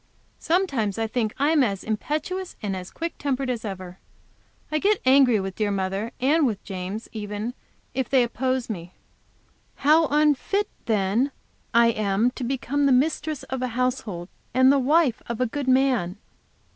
Sometimes I think I am as impetuous and as quick tempered as ever; I get angry with dear mother, and with James even, if they oppose me; how unfit, then, I am to become the mistress of a household and the wife of a good a man!